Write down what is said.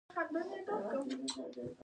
ب پانګوال دویم ډول ځمکه په اجاره نیسي